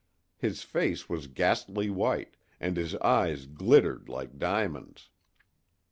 His face was ghastly white, and his eyes glittered like diamonds.